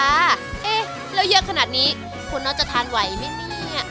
เอ๊ะแล้วเยอะขนาดนี้คุณน็อตจะทานไหวไหมเนี่ย